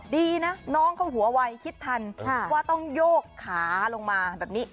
ดีนะน้องเขาหัววัยคิดทันว่าต้องโยกขาลงมาแบบนี้